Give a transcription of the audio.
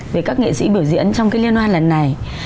về các nghệ sĩ biểu diễn trong cái liên hoan lần này